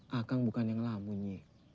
saya bukan yang bertimbang